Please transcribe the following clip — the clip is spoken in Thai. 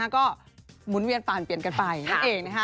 ก็หมุนเวียนฝ่านเปลี่ยนกันไปนั่นเองนะคะ